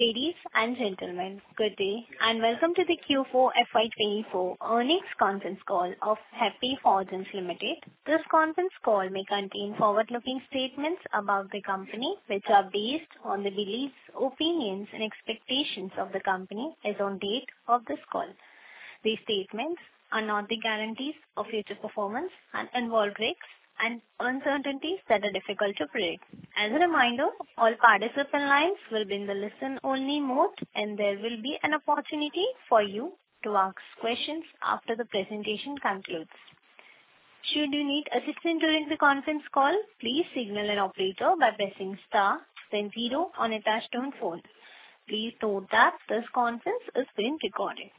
Ladies and gentlemen, good day and welcome to the Q4 FY 2024 earnings conference call of Happy Forgings Limited. This conference call may contain forward-looking statements about the company which are based on the beliefs, opinions, and expectations of the company as of the date of this call. These statements are not the guarantees of future performance and involve risks and uncertainties that are difficult to predict. As a reminder, all participant lines will be in the listen-only mode and there will be an opportunity for you to ask questions after the presentation concludes. Should you need assistance during the conference call, please signal an operator by pressing star, then zero on a touch-tone phone. Please note that this conference is being recorded.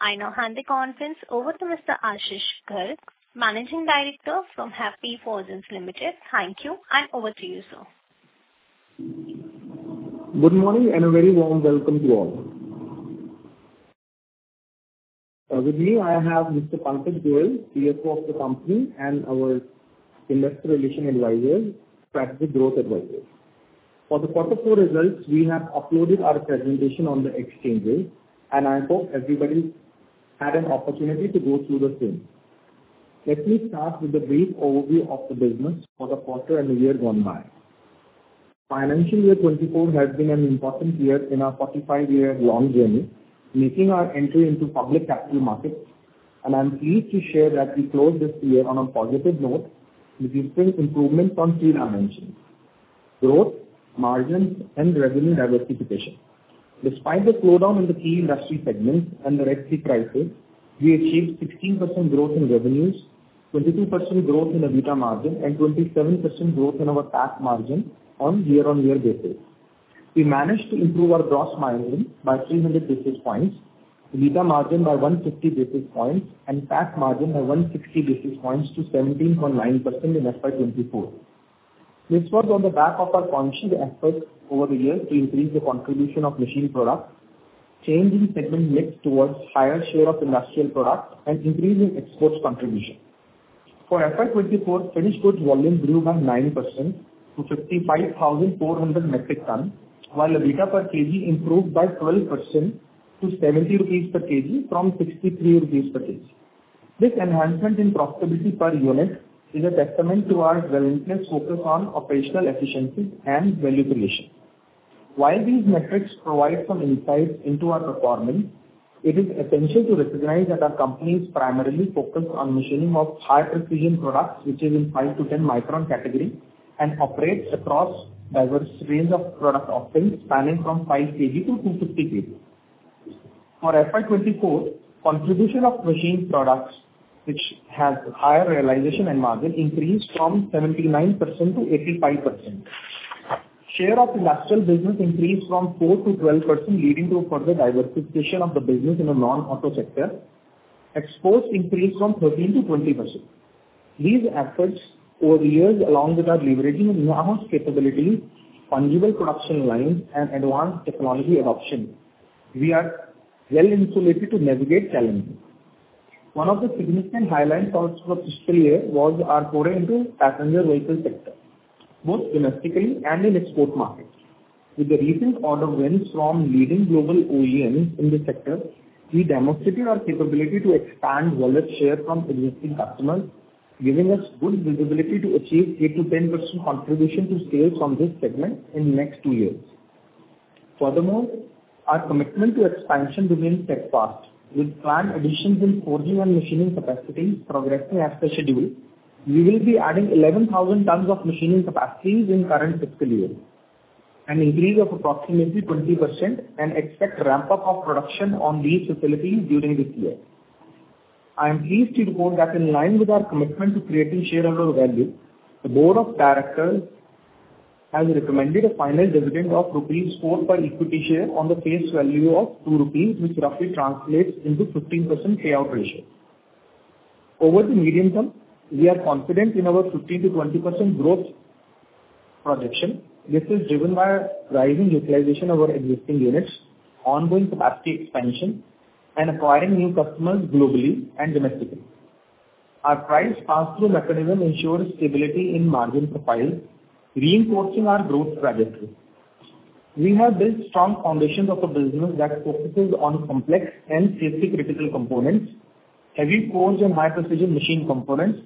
I now hand the conference over to Mr. Ashish Garg, Managing Director from Happy Forgings Limited. Thank you and over to you, sir. Good morning and a very warm welcome to all. With me, I have Mr. Pankaj Goyal, CFO of the company and our investor relation advisor, Strategic Growth Advisors. For the quarter four results, we have uploaded our presentation on the exchanges and I hope everybody had an opportunity to go through the same. Let me start with a brief overview of the business for the quarter and the year gone by. Financial year 2024 has been an important year in our 45-year-long journey making our entry into public capital markets and I'm pleased to share that we closed this year on a positive note with improvements on three dimensions: growth, margins, and revenue diversification. Despite the slowdown in the key industry segments and the Red Sea crisis, we achieved 16% growth in revenues, 22% growth in EBITDA margin, and 27% growth in our net margin on year-on-year basis. We managed to improve our gross margin by 300 basis points, EBITDA margin by 150 basis points, and PAT margin by 160 basis points to 17.9% in FY 2024. This was on the back of our conscious efforts over the years to increase the contribution of machined products, changing segment mix towards higher share of industrial products, and increasing exports contribution. For FY 2024, finished goods volume grew by 9% to 55,400 metric tons, while EBITDA per kg improved by 12% to 70 rupees per kg from 63 rupees per kg. This enhancement in profitability per unit is a testament to our relentless focus on operational efficiency and value creation. While these metrics provide some insights into our performance, it is essential to recognize that our company is primarily focused on machining of high-precision products which is in 5-10 micron category and operates across a diverse range of product options spanning from 5 kg -250 kg. For FY 2024, contribution of machined products which has higher realization and margin increased from 79%-85%. Share of industrial business increased from 4%-12% leading to further diversification of the business in the non-auto sector. Exports increased from 13%-20%. These efforts over the years along with our leveraging in-house capabilities, fungible production lines, and advanced technology adoption, we are well insulated to navigate challenges. One of the significant highlights of fiscal year was our foray into passenger vehicle sector, both domestically and in export markets. With the recent order wins from leading global OEMs in the sector, we demonstrated our capability to expand wallet share from existing customers, giving us good visibility to achieve 8%-10% contribution to sales from this segment in the next two years. Furthermore, our commitment to expansion remains steadfast. With planned additions in forging and machining capacities progressing as per schedule, we will be adding 11,000 tons of machining capacities in current fiscal year, an increase of approximately 20%, and expect ramp-up of production on these facilities during this year. I am pleased to report that in line with our commitment to creating shareholder value, the board of directors has recommended a final dividend of rupees 4 per equity share on the face value of 2 rupees, which roughly translates into a 15% payout ratio. Over the medium term, we are confident in our 15%-20% growth projection. This is driven by rising utilization of our existing units, ongoing capacity expansion, and acquiring new customers globally and domestically. Our price pass-through mechanism ensures stability in margin profiles, reinforcing our growth trajectory. We have built strong foundations of a business that focuses on complex and safety-critical components, heavy forged, and high-precision machine components,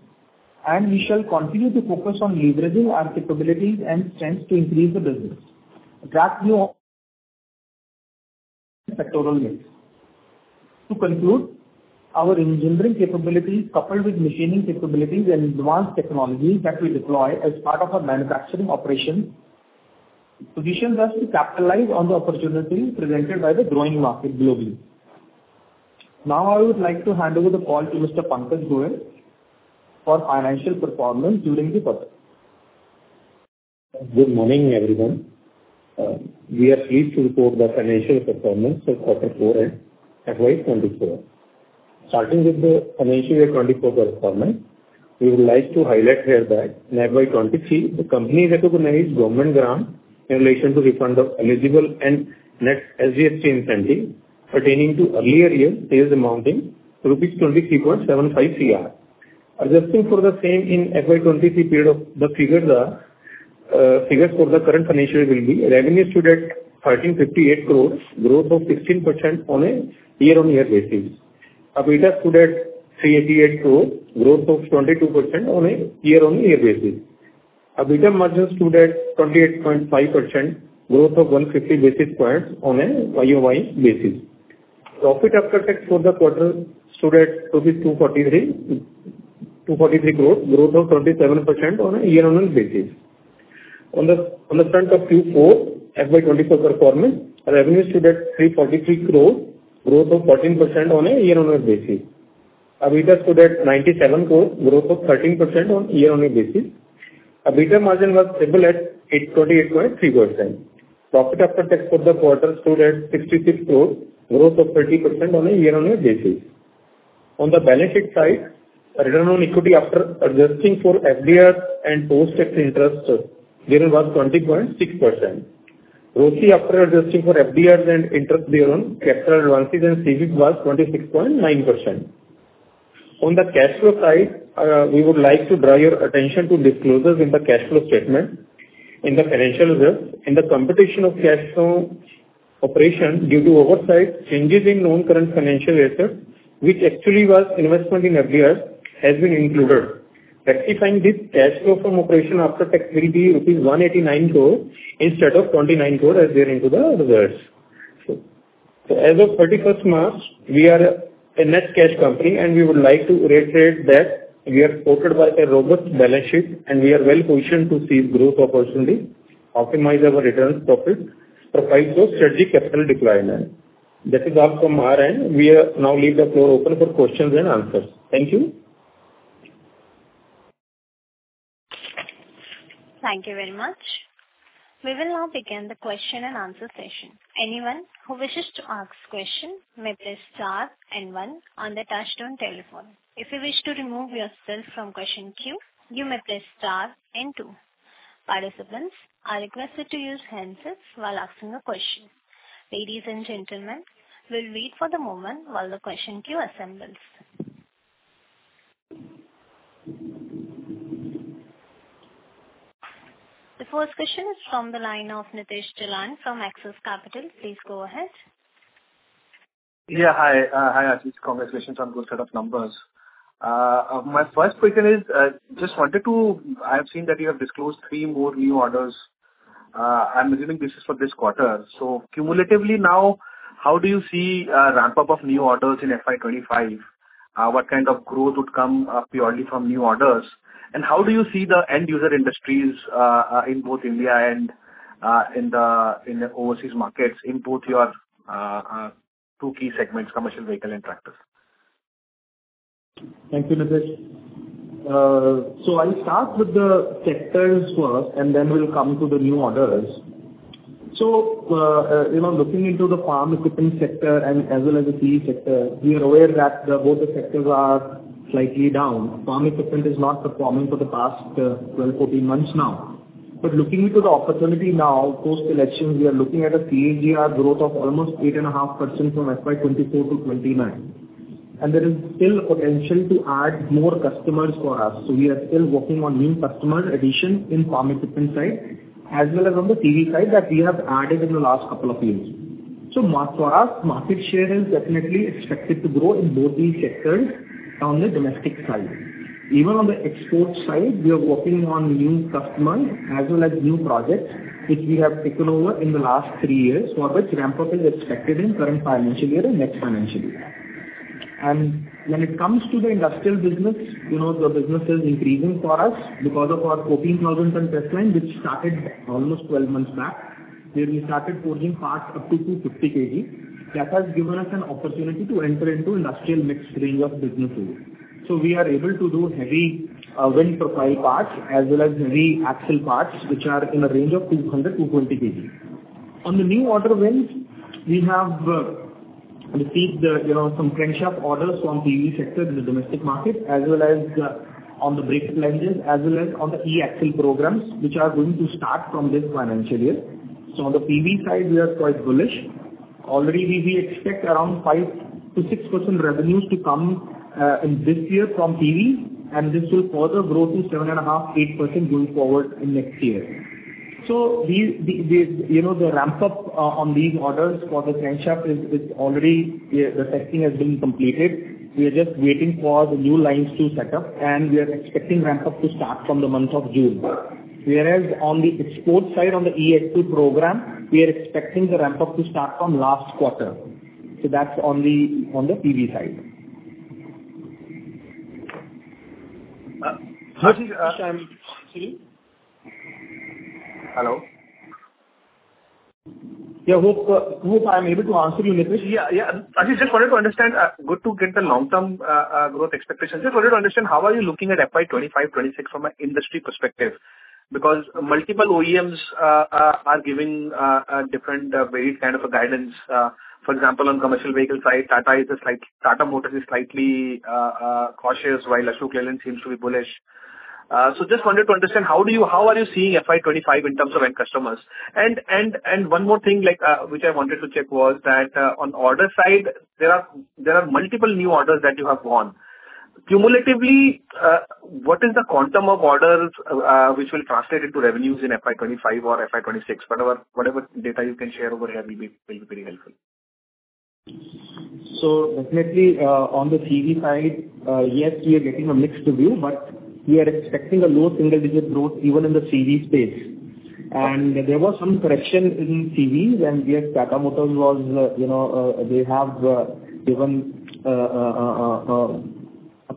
and we shall continue to focus on leveraging our capabilities and strengths to increase the business. Attract new sectoral mix. To conclude, our engineering capabilities coupled with machining capabilities and advanced technologies that we deploy as part of our manufacturing operations position us to capitalize on the opportunity presented by the growing market globally. Now I would like to hand over the call to Mr. Pankaj Goyal for financial performance during the quarter. Good morning, everyone. We are pleased to report the financial performance for quarter four and FY 2024. Starting with the financial year 2024 performance, we would like to highlight here that in FY 2023, the company recognized government grants in relation to refund of eligible and net SGST incentives pertaining to earlier years sales amounting to rupees 23.75 crore. Adjusting for the same in FY 2023 period, the figures for the current financial year will be revenue stood at 1,358 crore, growth of 16% on a year-on-year basis. EBITDA stood at 388 crore, growth of 22% on a year-on-year basis. EBITDA margin stood at 28.5%, growth of 150 basis points on a YOY basis. Profit after tax for the quarter stood a t 243 crore, growth of 27% on a year-on-year basis. On the front of Q4, FY 2024 performance, revenue stood at 343 crore, growth of 14% on a year-on-year basis. EBITDA stood at 97 crore, growth of 13% on a year-on-year basis. EBITDA margin was stable at 28.3%. Profit after tax for the quarter stood at 66 crore, growth of 30% on a year-on-year basis. On the balance sheet side, return on equity after adjusting for FDRs and post-tax interest therein was 20.6%. ROCE after adjusting for FDRs and interest therein, capital advances and CWIP was 26.9%. On the cash flow side, we would like to draw your attention to disclosures in the cash flow statement in the financial results. In the computation of cash flow from operations due to oversight, changes in non-current financial assets, which actually was investment in FDRs, have been included. Rectifying this, cash flow from operations after tax will be INR 189 crore instead of INR 29 crore as reported in the results. As of 31st March, we are a net cash company and we would like to reiterate that we are supported by a robust balance sheet and we are well positioned to seize growth opportunities, optimize our returns, profit profiles for strategic capital deployment. That is all from our end. We now leave the floor open for questions and answers. Thank you. Thank you very much. We will now begin the question and answer session. Anyone who wishes to ask a question may press star and one on the touch-tone telephone. If you wish to remove yourself from the question queue, you may press star and two. Participants are requested to use the handset while asking a question. Ladies and gentlemen, we'll wait a moment while the question queue assembles. The first question is from the line of Nishit Jalan from Axis Capital. Please go ahead. Yeah, hi. Hi, Ashish. Congratulations on good set of numbers. My first question is, I just wanted to I have seen that you have disclosed three more new orders. I'm assuming this is for this quarter. So cumulatively now, how do you see a ramp-up of new orders in FY 2025? What kind of growth would come purely from new orders? And how do you see the end-user industries in both India and in the overseas markets in both your two key segments, commercial vehicle and tractors? Thank you, Nitesh. So I'll start with the sectors first and then we'll come to the new orders. So looking into the farm equipment sector as well as the CV sector, we are aware that both the sectors are slightly down. Farm equipment is not performing for the past 12, 14 months now. But looking into the opportunity now, post-election, we are looking at a CAGR growth of almost 8.5% from FY 2024 to 2029. And there is still potential to add more customers for us. So we are still working on new customer addition in farm equipment side as well as on the CV side that we have added in the last couple of years. So for us, market share is definitely expected to grow in both these sectors on the domestic side. Even on the export side, we are working on new customers as well as new projects which we have taken over in the last three years for which ramp-up is expected in current financial year and next financial year. When it comes to the industrial business, the business is increasing for us because of our 14,000-ton press line which started almost 12 months back where we started forging parts up to 250 kg. That has given us an opportunity to enter into industrial mixed range of businesses. We are able to do heavy wind profile parts as well as heavy axle parts which are in a range of 200-220 kg. On the new order wins, we have received some fresh orders from PV sector in the domestic market as well as on the brake flanges as well as on the e-axle programs which are going to start from this financial year. So on the PV side, we are quite bullish. Already, we expect around 5%-6% revenues to come in this year from PV and this will further grow to 7.5%-8% going forward in next year. So the ramp-up on these orders for the fresh is already the testing has been completed. We are just waiting for the new lines to set up and we are expecting ramp-up to start from the month of June. Whereas on the export side, on the e-axle program, we are expecting the ramp-up to start from last quarter. So that's on the PV side. Hello? Yeah, hope I'm able to answer you, Nishit. Yeah, yeah. Ashish, just wanted to understand good to get the long-term growth expectations. Just wanted to understand how are you looking at FY 2025, 2026 from an industry perspective? Because multiple OEMs are giving a different varied kind of guidance. For example, on commercial vehicle side, Tata Motors is slightly cautious while Ashok Leyland seems to be bullish. So just wanted to understand how are you seeing FY 2025 in terms of end customers? And one more thing which I wanted to check was that on order side, there are multiple new orders that you have won. Cumulatively, what is the quantum of orders which will translate into revenues in FY 2025 or FY 2026? Whatever data you can share over here will be pretty helpful. Definitely on the TV side, yes, we are getting a mixed view, but we are expecting a low single-digit growth even in the CV space. There was some correction in CVs and yes, Tata Motors was they have given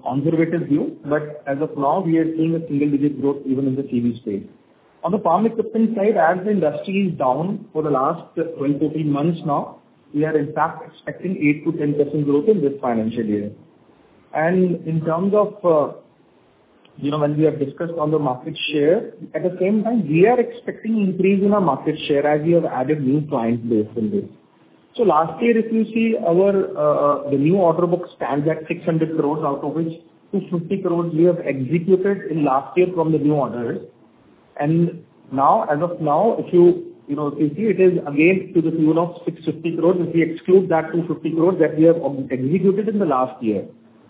a conservative view, but as of now, we are seeing a single-digit growth even in the CV space. On the farm equipment side, as the industry is down for the last 12-14 months now, we are in fact expecting 8%-10% growth in this financial year. In terms of when we have discussed on the market share, at the same time, we are expecting increase in our market share as we have added new clients based on this. So last year, if you see our new order book stands at 600 crore, out of which 250 crore we have executed in last year from the new orders. And now, as of now, if you see, it is again to the tune of 650 crore if we exclude that 250 crore that we have executed in the last year.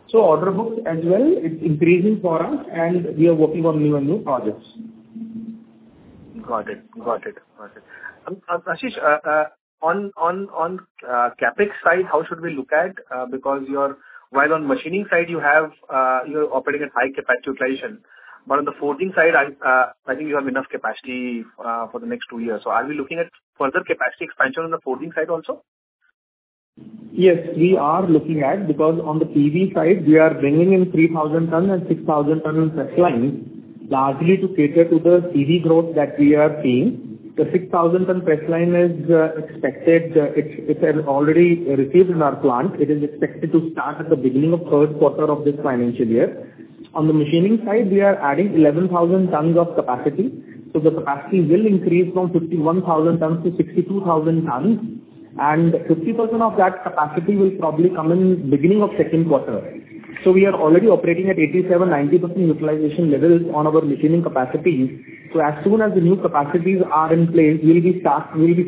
So order book as well, it's increasing for us and we are working on new and new projects. Got it. Got it. Got it. Ashish, on CapEx side, how should we look at because while on machining side, you are operating at high capacity utilization, but on the forging side, I think you have enough capacity for the next two years. So are we looking at further capacity expansion on the forging side also? Yes, we are looking at because on the PV side, we are bringing in 3,000 tons and 6,000 tons press lines largely to cater to the CV growth that we are seeing. The 6,000-ton press line is expected; it's already received in our plant. It is expected to start at the beginning of third quarter of this financial year. On the machining side, we are adding 11,000 tons of capacity. So the capacity will increase from 51,000 tons to 62,000 tons. And 50% of that capacity will probably come in beginning of second quarter. So we are already operating at 87%-90% utilization levels on our machining capacities. So as soon as the new capacities are in place, we'll be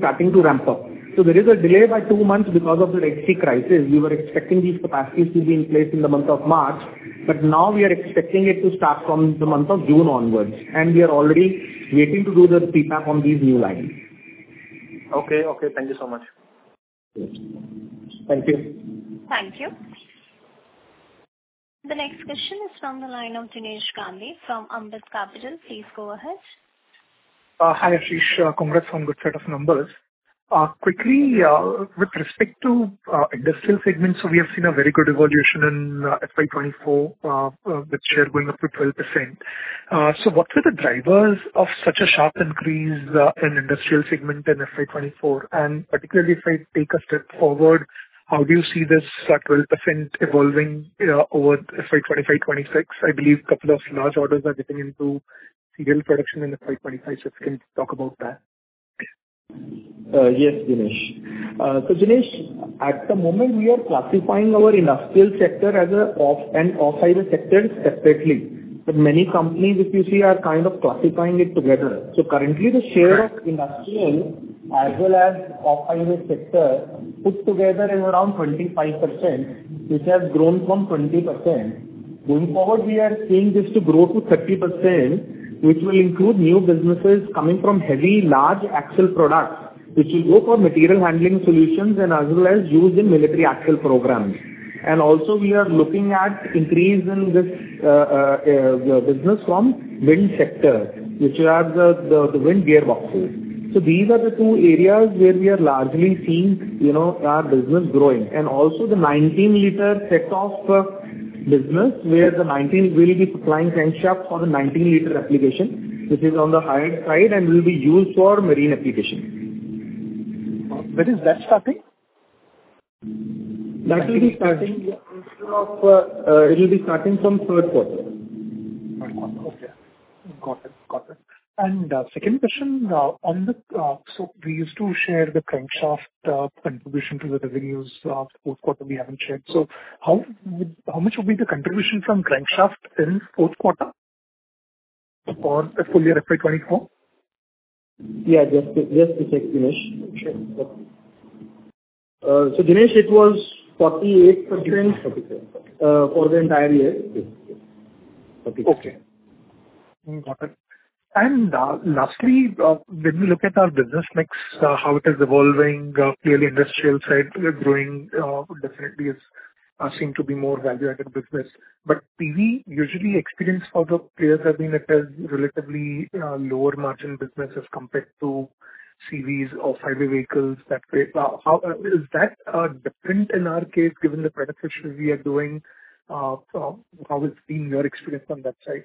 starting to ramp up. So there is a delay by two months because of the Red Sea crisis. We were expecting these capacities to be in place in the month of March, but now we are expecting it to start from the month of June onwards. We are already waiting to do the PPAP on these new lines. Okay. Okay. Thank you so much. Thank you. Thank you. The next question is from the line of Jinesh Gandhi from Ambit Capital. Please go ahead. Hi, Ashish. Congrats on good set of numbers. Quickly, with respect to industrial segments, we have seen a very good evolution in FY 2024 with share going up to 12%. So what were the drivers of such a sharp increase in industrial segment in FY 2024? And particularly if I take a step forward, how do you see this 12% evolving over FY 2025, 2026? I believe a couple of large orders are getting into serial production in FY 2025. So if you can talk about that. Yes, Dinesh. So Jinesh, at the moment, we are classifying our industrial sector as an off-highway sector separately. But many companies, if you see, are kind of classifying it together. So currently, the share of industrial as well as off-highway sector put together is around 25%, which has grown from 20%. Going forward, we are seeing this to grow to 30%, which will include new businesses coming from heavy large axle products, which will go for material handling solutions and as well as used in military axle programs. And also, we are looking at increase in this business from wind sector, which are the wind gearboxes. So these are the two areas where we are largely seeing our business growing. Also the 19-liter segment of business where the firm will be supplying forgings for the 19-liter application, which is on the higher side and will be used for marine application. When is that starting? That will be starting instead of it will be starting from third quarter. Third quarter. Okay. Got it. Got it. And second question, on, so we used to share the crankshaft contribution to the revenues of fourth quarter. We haven't shared. So how much would be the contribution from crankshaft in fourth quarter for the fully FY 2024? Yeah, just to check, Dinesh. So Dinesh, it was 48% for the entire year. Okay. Got it. And lastly, when we look at our business mix, how it is evolving, clearly industrial side growing definitely seemed to be more value-added business. But PV usually experienced for the players that have been at relatively lower margin business as compared to CVs or highway vehicles that way. Is that different in our case given the beneficiary we are doing? How has been your experience on that side?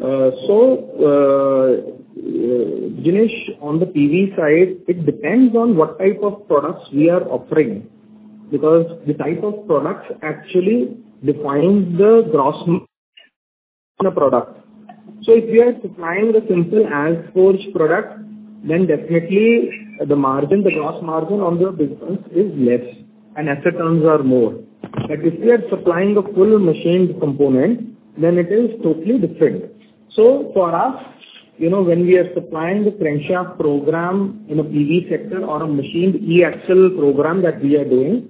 So Dinesh, on the PV side, it depends on what type of products we are offering because the type of products actually defines the gross profit. So if we are supplying a simple as forged product, then definitely the gross margin on the business is less and asset turns are more. But if we are supplying a full machined component, then it is totally different. So for us, when we are supplying the crankshaft program in a PV sector or a machined e-axle program that we are doing,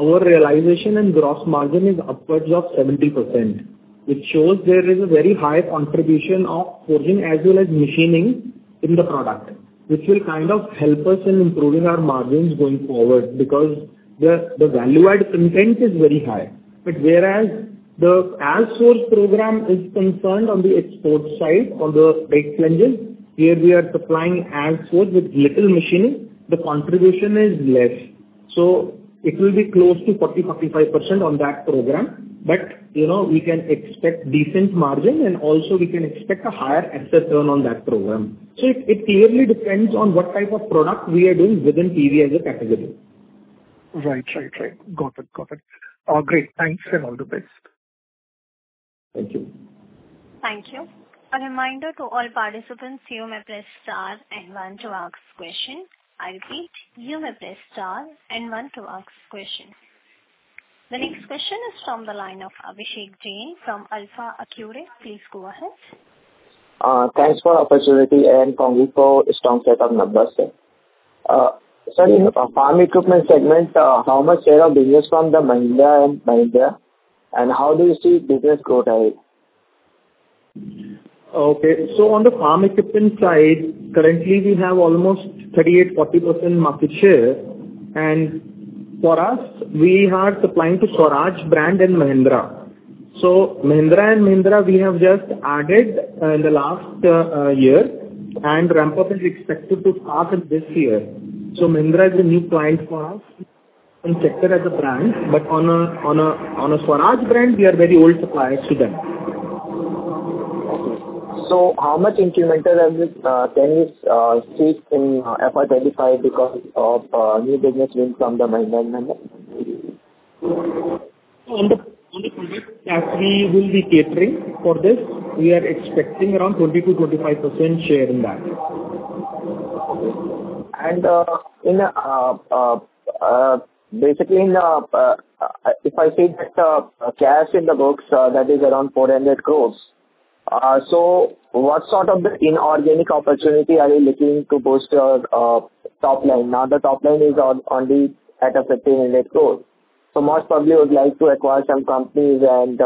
our realization and gross margin is upwards of 70%, which shows there is a very high contribution of forging as well as machining in the product, which will kind of help us in improving our margins going forward because the value-added content is very high. But whereas the as forged program is concerned on the export side on the brake flanges, here we are supplying as forged with little machining, the contribution is less. So it will be close to 40%-45% on that program, but we can expect decent margin and also we can expect a higher asset turn on that program. So it clearly depends on what type of product we are doing within PV as a category. Right. Right. Right. Got it. Got it. Great. Thanks and all the best. Thank you. Thank you. A reminder to all participants, you may press star and one to ask question. I repeat, you may press star and one to ask question. The next question is from the line of Abhishek Jain from AlfAccurate. Please go ahead. Thanks for the opportunity and congrats for a strong set of numbers. In farm equipment segment, how much share of business from the Mahindra & Mahindra and how do you see business growth here? Okay. So on the farm equipment side, currently, we have almost 38%-40% market share. For us, we are supplying to Swaraj brand and Mahindra. Mahindra & Mahindra, we have just added in the last year and ramp-up is expected to start in this year. Mahindra is a new client for us and checked it as a brand. On a Swaraj brand, we are very old suppliers to them. Okay. How much incremental can we see in FY 2025 because of new business wins from Mahindra & Mahindra? On the product that we will be catering for this, we are expecting around 20%-25% share in that. Okay. And basically, if I see that cash in the books, that is around 400 crores. So what sort of inorganic opportunity are you looking to boost your top line? Now, the top line is only at 1,500 crores. So most probably, I would like to acquire some companies in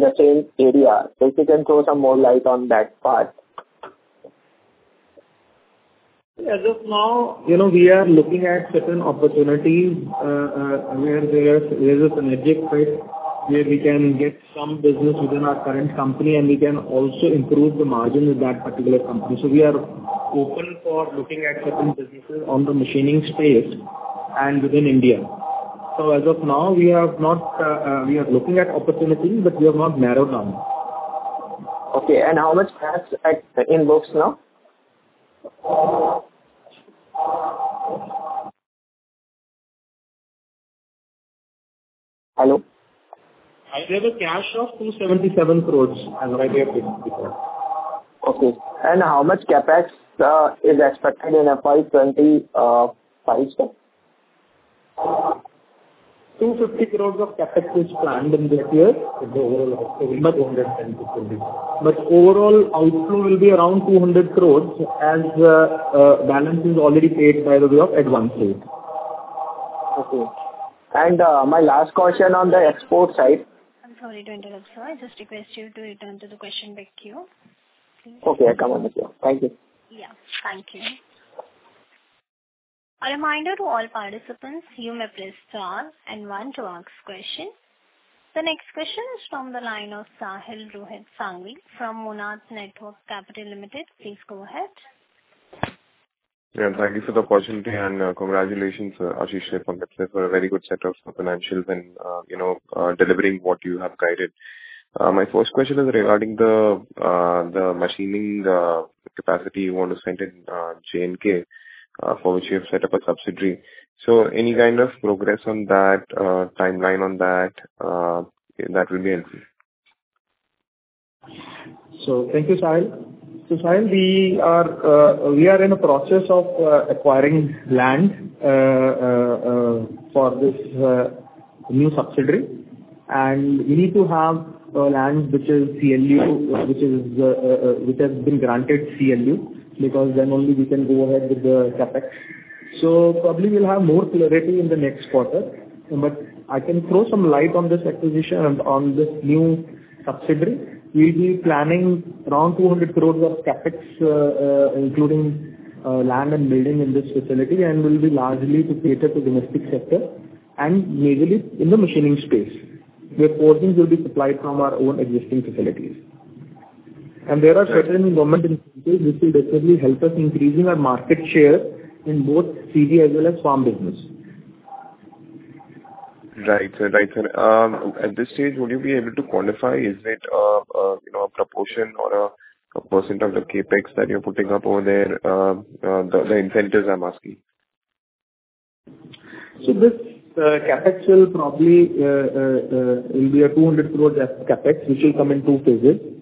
the same area. If you can throw some more light on that part. As of now, we are looking at certain opportunities where there is an edge where we can get some business within our current company and we can also improve the margin with that particular company. So we are open for looking at certain businesses on the machining space and within India. So as of now, we are looking at opportunity, but we have not narrowed down. Okay. How much cash in books now? Hello? We have a cash of 277 crores as of FY 2025. Okay. And how much CapEx is expected in FY 2025? 250 crore of CapEx is planned in this year in the overall outflow, but overall outflow will be around 200 crore as balance is already paid by the way of advances. Okay. My last question on the export side. I'm sorry to interrupt. I just request you to return to the question with you. Please. Okay. I come on with you. Thank you. Yeah. Thank you. A reminder to all participants, you may press star and one to ask question. The next question is from the line of Sahil Sanghvi from Monarch Networth Capital Limited. Please go ahead. Yeah. Thank you for the opportunity and congratulations, Ashish and Pankaj, for a very good set of financials and delivering what you have guided. My first question is regarding the machining capacity you want to set up in J&K for which you have set up a subsidiary. So any kind of progress on that timeline on that, that will be helpful. So thank you, Sahil. So Sahil, we are in the process of acquiring land for this new subsidiary. And we need to have land which is CLU which has been granted CLU because then only we can go ahead with the CapEx. So probably we'll have more clarity in the next quarter. But I can throw some light on this acquisition and on this new subsidiary. We'll be planning around 200 crore of CapEx including land and building in this facility and will be largely to cater to domestic sector and majorly in the machining space where forging will be supplied from our own existing facilities. And there are certain government incentives which will definitely help us increasing our market share in both CV as well as farm business. Right. Right. And at this stage, would you be able to quantify is it a proportion or a percent of the CapEx that you're putting up over there, the incentives I'm asking? This CapEx will probably be a 200 crore CapEx which will come in two phases.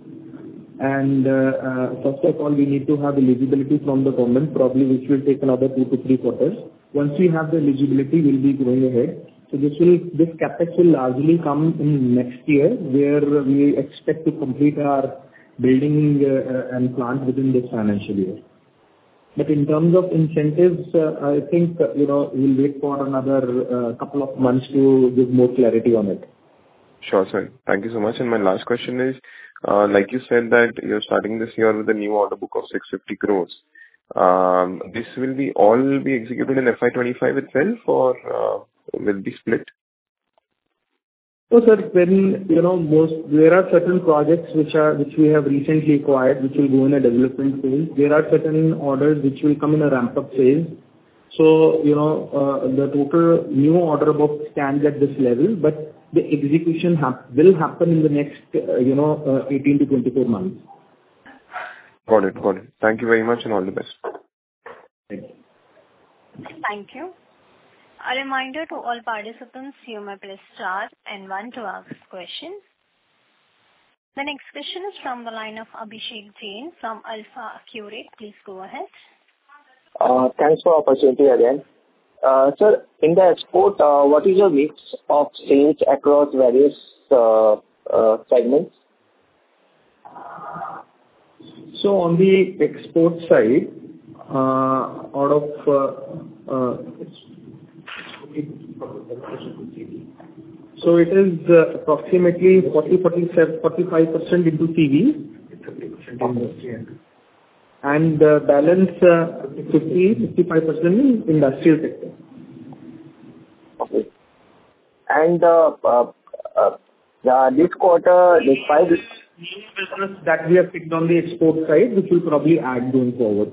First of all, we need to have eligibility from the government probably which will take another two to three quarters. Once we have the eligibility, we'll be going ahead. This CapEx will largely come in next year where we expect to complete our building and plant within this financial year. But in terms of incentives, I think we'll wait for another couple of months to give more clarity on it. Sure, sir. Thank you so much. And my last question is, like you said that you're starting this year with a new order book of 650 crore, this will all be executed in FY 2025 itself or will it be split? Oh, sir. There are certain projects which we have recently acquired which will go in a development phase. There are certain orders which will come in a ramp-up phase. So the total new order book can get this level, but the execution will happen in the next 18-24 months. Got it. Got it. Thank you very much and all the best. Thank you. Thank you. A reminder to all participants, you may press star and one to ask questions. The next question is from the line of Abhishek Jain from AlfAccurate Advisors. Please go ahead. Thanks for the opportunity again. Sir, in the export, what is your mix of sales across various segments? On the export side, out of so it is approximately 40%-45% into CV and the balance 50%-55% in industrial sector. Okay. And this quarter, this five. New business that we have picked on the export side which will probably add going forward.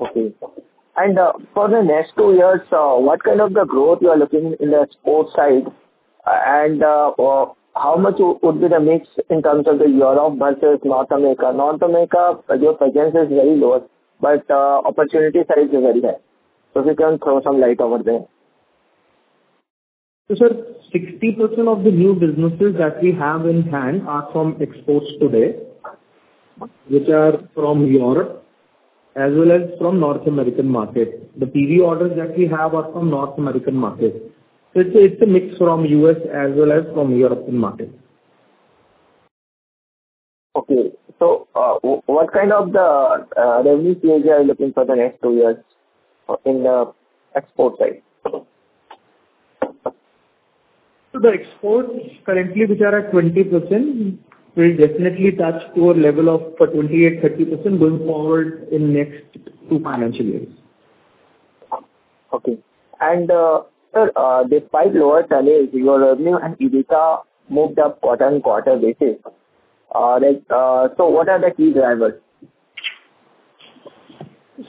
Okay. For the next two years, what kind of growth you are looking in the export side and how much would be the mix in terms of Europe versus North America? North America, your presence is very low, but opportunity size is very high. So if you can throw some light over there. So sir, 60% of the new businesses that we have in hand are from exports today which are from Europe as well as from North American market. The PV orders that we have are from North American market. So it's a mix from U.S. as well as from European market. Okay. So what kind of revenue phase are you looking for the next two years in the export side? The exports currently which are at 20% will definitely touch to a level of 28%-30% going forward in next two financial years. Okay. And sir, despite lower turnover if your revenue and EBITDA moved up quarter-on-quarter basis, so what are the key drivers?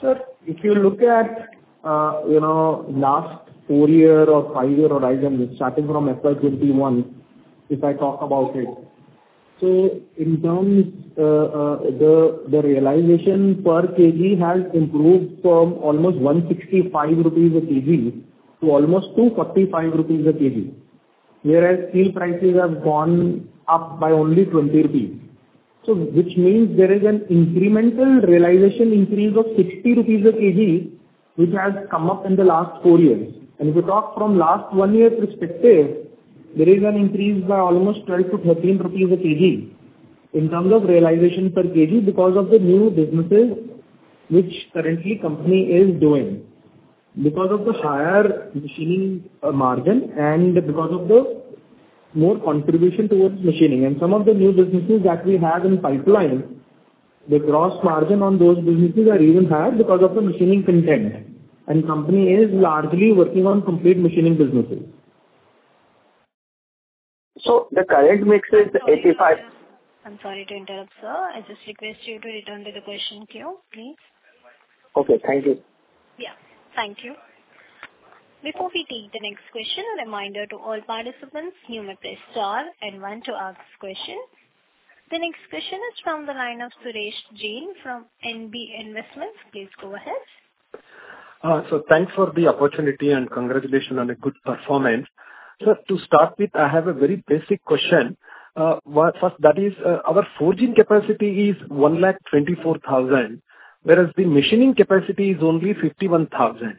So sir, if you look at last 4-year or 5-year horizon starting from FY21, if I talk about it, so in terms of the realization per kg has improved from almost 165 rupees a kg to almost 245 rupees a kg whereas steel prices have gone up by only 20 rupees. So which means there is an incremental realization increase of 60 rupees a kg which has come up in the last four years. And if we talk from last 1-year perspective, there is an increase by almost 12-13 rupees a kg in terms of realization per kg because of the new businesses which currently company is doing because of the higher machining margin and because of the more contribution towards machining. Some of the new businesses that we have in the pipeline, the gross margin on those businesses are even higher because of the machining content. The company is largely working on complete machining businesses. The current mix is 85. I'm sorry to interrupt, sir. I just request you to return to the question queue, please. Okay. Thank you. Yeah. Thank you. Before we take the next question, a reminder to all participants, you may press star and one to ask questions. The next question is from the line of Suresh Jain from NB Investments. Please go ahead. So thanks for the opportunity and congratulations on a good performance. Sir, to start with, I have a very basic question. First, that is our forging capacity is 124,000 whereas the machining capacity is only 51,000.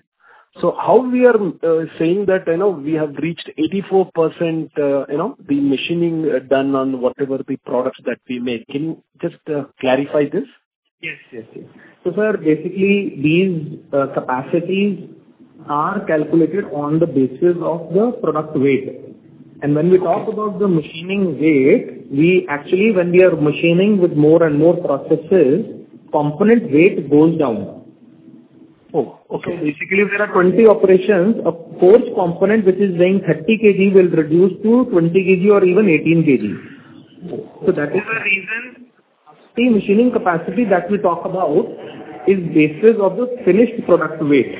So how we are saying that we have reached 84% the machining done on whatever the products that we make. Can you just clarify this? Yes. Yes. Yes. So sir, basically, these capacities are calculated on the basis of the product weight. When we talk about the machining weight, actually, when we are machining with more and more processes, component weight goes down. So basically, if there are 20 operations, a forged component which is weighing 30 kg will reduce to 20 kg or even 18 kg. So that is the reason the machining capacity that we talk about is based off of the finished product weight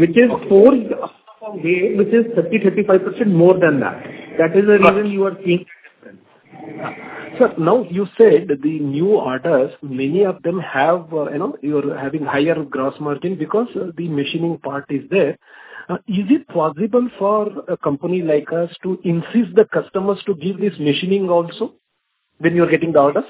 which is forged off of weight which is 30%-35% more than that. That is the reason you are seeing that difference. Sir, now you said the new orders, many of them have you're having higher gross margin because the machining part is there. Is it possible for a company like us to insist the customers to give this machining also when you're getting the orders?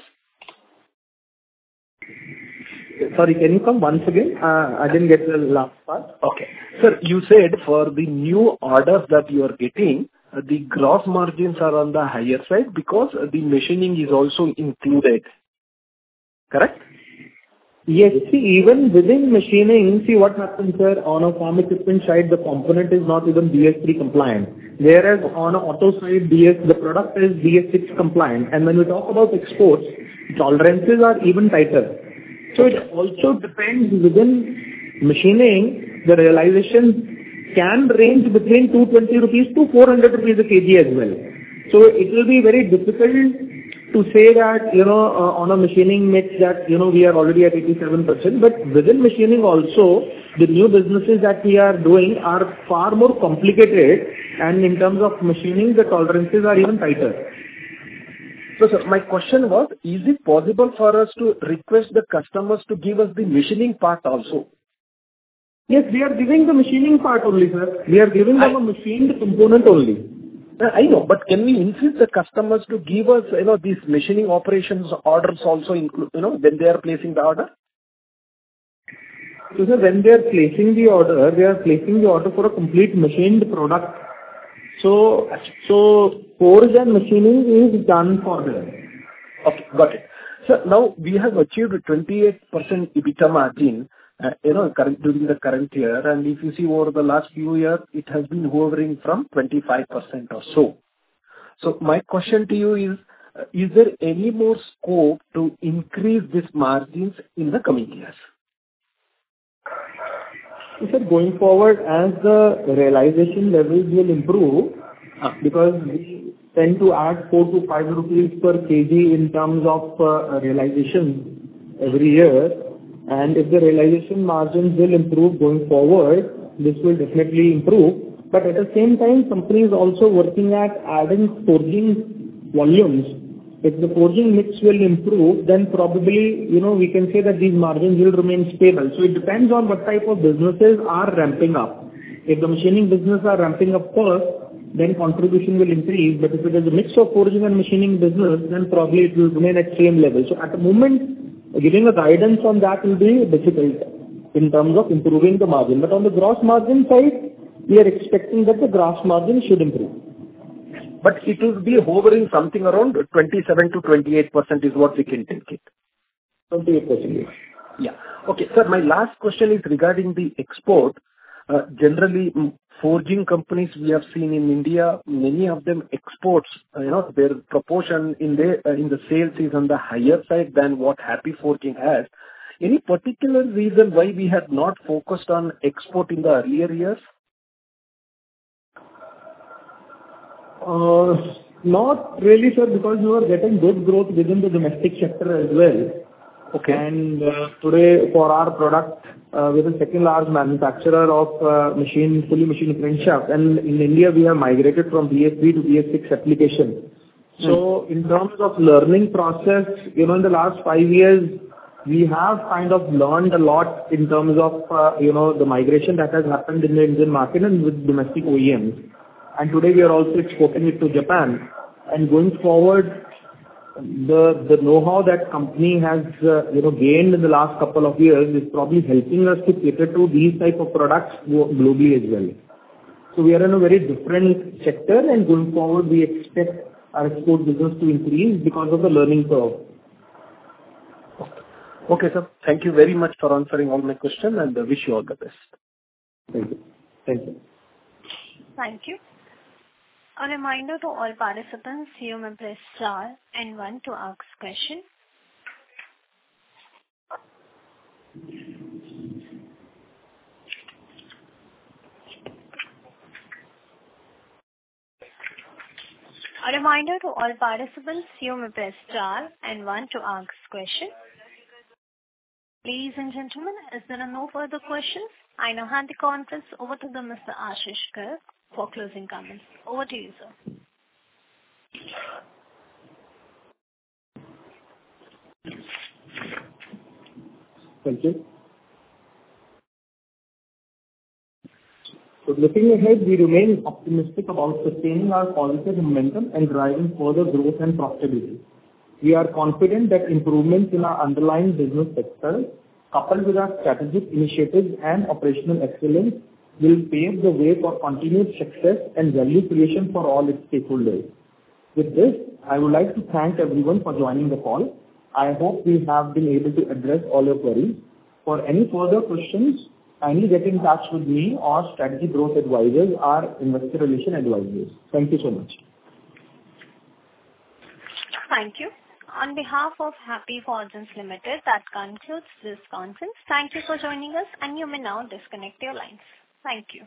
Sorry, can you come once again? I didn't get the last part. Okay. Sir, you said for the new orders that you are getting, the gross margins are on the higher side because the machining is also included. Correct? Yes. See, even within machining, see what happens, sir, on a farm equipment side, the component is not even BS-III compliant. Whereas on an auto side, the product is BS-VI compliant. And when we talk about exports, tolerances are even tighter. So it also depends within machining, the realization can range between 220-400 rupees a kg as well. So it will be very difficult to say that on a machining mix that we are already at 87%. But within machining also, the new businesses that we are doing are far more complicated. And in terms of machining, the tolerances are even tighter. So sir, my question was, is it possible for us to request the customers to give us the machining part also? Yes, we are giving the machining part only, sir. We are giving them a machined component only. I know. But can we insist the customers to give us these machining operations orders also when they are placing the order? So sir, when they are placing the order, they are placing the order for a complete machined product. So forged and machining is done for them. Okay. Got it. Sir, now we have achieved a 28% EBITDA margin during the current year. And if you see over the last few years, it has been hovering from 25% or so. So my question to you is, is there any more scope to increase these margins in the coming years? So sir, going forward, as the realization levels will improve because we tend to add 4-5 rupees per kg in terms of realization every year. And if the realization margins will improve going forward, this will definitely improve. But at the same time, company is also working at adding forging volumes. If the forging mix will improve, then probably we can say that these margins will remain stable. So it depends on what type of businesses are ramping up. If the machining business are ramping up first, then contribution will increase. But if it is a mix of forging and machining business, then probably it will remain at same level. So at the moment, giving a guidance on that will be difficult in terms of improving the margin. But on the gross margin side, we are expecting that the gross margin should improve. But it will be hovering something around 27%-28% is what we can think it. 28%. Yeah. Okay. Sir, my last question is regarding the export. Generally, forging companies we have seen in India, many of them exports their proportion in the sales is on the higher side than what Happy Forgings has. Any particular reason why we have not focused on export in the earlier years? Not really, sir, because you are getting good growth within the domestic sector as well. And today for our product, we are the second-largest manufacturer of fully machined crankshafts. And in India, we have migrated from BS-III to BS-VI application. So in terms of learning process, in the last five years, we have kind of learned a lot in terms of the migration that has happened in the Indian market and with domestic OEMs. And today, we are also exporting it to Japan. And going forward, the know-how that company has gained in the last couple of years is probably helping us to cater to these type of products globally as well. So we are in a very different sector. And going forward, we expect our export business to increase because of the learning curve. Okay. Okay, sir. Thank you very much for answering all my questions. I wish you all the best. Thank you. Thank you. Thank you. A reminder to all participants, you may press star and one to ask questions. A reminder to all participants, you may press star and one to ask questions. Ladies and gentlemen, is there no further questions? I now hand the conference over to Mr. Ashish Garg for closing comments. Over to you, sir. Thank you. Looking ahead, we remain optimistic about sustaining our positive momentum and driving further growth and profitability. We are confident that improvements in our underlying business sector coupled with our strategic initiatives and operational excellence will pave the way for continued success and value creation for all its stakeholders. With this, I would like to thank everyone for joining the call. I hope we have been able to address all your queries. For any further questions, kindly get in touch with me or Strategic Growth Advisors, our investor relations advisors. Thank you so much. Thank you. On behalf of Happy Forgings Limited, that concludes this conference. Thank you for joining us. You may now disconnect your lines. Thank you.